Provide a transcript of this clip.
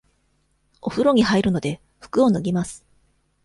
おふろに入るので、服を脱ぎます。